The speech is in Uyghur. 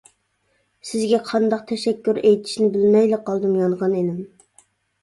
سىزگە قانداق تەشەككۈر ئېيتىشنى بىلمەيلا قالدىم يانغىن ئىنىم!